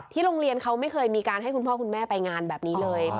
โรงเรียนเขาไม่เคยมีการให้คุณพ่อคุณแม่ไปงานแบบนี้เลย